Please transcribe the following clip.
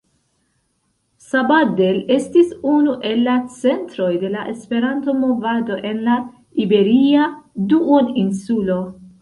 Sabadell estis unu el la centroj de la Esperanto-movado en la iberia duoninsulo.